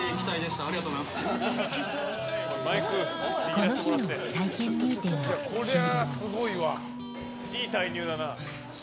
この日の体験入店は終了。